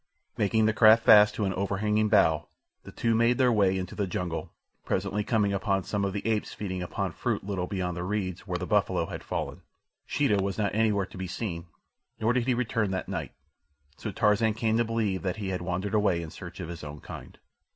Making the craft fast to an overhanging bough, the two made their way into the jungle, presently coming upon some of the apes feeding upon fruit a little beyond the reeds where the buffalo had fallen. Sheeta was not anywhere to be seen, nor did he return that night, so that Tarzan came to believe that he had wandered away in search of his own kind.